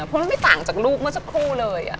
เพราะมันไม่ต่างจากลูกเมื่อสักครู่เลย